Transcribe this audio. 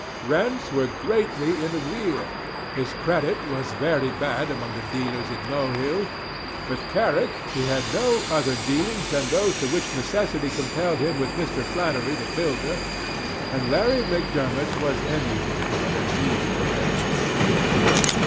Rents were greatly in arrear, his credit was very bad among the dealers in Mohill, with Carrick he had no other dealings than those to which necessity compelled him with Mr. Flannelly the builder, and Larry Macdermot was anything but an easy man.